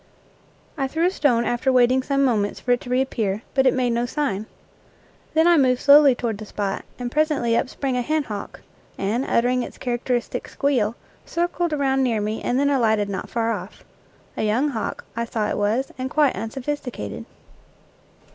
I threw a stone after waiting some moments for it to reappear, but it made no sign. Then I moved slowly toward the spot, and presently up sprang a hen hawk and, uttering its characteristic squeal, circled around near me and then alighted not far off. A young hawk, I saw it was, and quite unsophisticated.